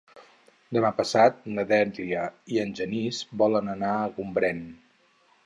Demà passat na Dèlia i en Genís volen anar a Gombrèn.